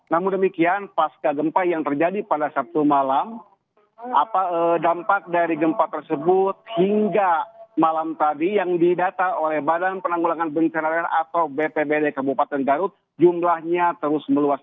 namun demikian pasca gempa yang terjadi pada sabtu malam dampak dari gempa tersebut hingga malam tadi yang didata oleh badan penanggulangan bencana daerah atau bpbd kabupaten garut jumlahnya terus meluas